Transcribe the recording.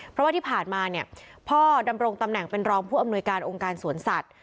เพราะว่าที่ผ่านมาเนี่ยพ่อดำรงตำแหน่งเป็นรองผู้อำนวยการองค์การสวนสัตว